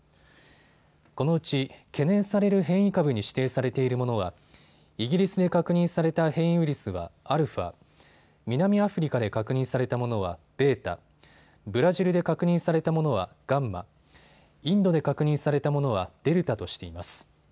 このうち懸念される変異株に指定されているものはイギリスで確認された変異ウイルスはアルファ、南アフリカで確認されたものはベータ、ブラジルで確認されたものはガンマ、インドで確認されたものはデルタとしています。